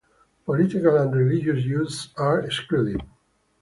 Political and religious issues are excluded.